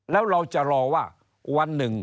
แล้วเราจะรอว่าวันหนึ่ง